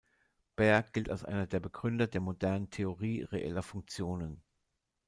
Baire gilt als einer der Begründer der modernen Theorie reeller Funktionen.